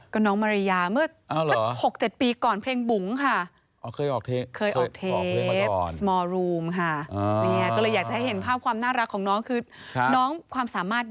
ก็น้องมาริยาเมื่อสัก๖๗ปีก่อนเพลงบุ๋มค่ะ